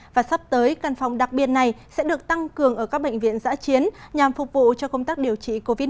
và sắp tới căn phòng đặc biệt này sẽ được tăng cường ở các bệnh viện giã chiến nhằm phục vụ cho công tác điều trị covid một mươi chín